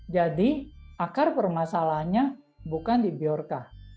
jadi akar permasalahannya bukan di biorka